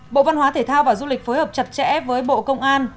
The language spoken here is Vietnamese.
bộ văn hóa thể thao và du lịch phối hợp chặt chẽ với bộ công an